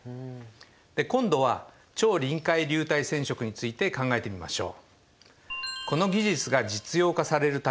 今度は超臨界流体染色について考えてみましょう。